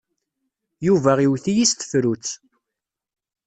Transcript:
Yuba iwet-iyi s tefrut.